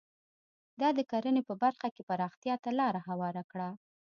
دا د کرنې په برخه کې پراختیا ته لار هواره کړه.